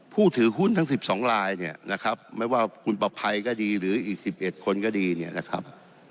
ผู้ถือหุ้นทั้ง๑๒ลายเนี่ยนะครับไม่ว่าคุณประภัยก็ดีหรืออีก๑๑คนก็ดีเนี่ยนะครับ